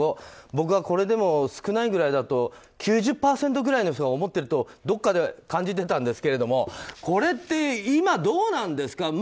これでも僕は少ないぐらいだと９０％くらいの人が思っているとどこかで感じていたんですがこれって、今、どうなんですか。